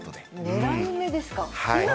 狙い目ですか。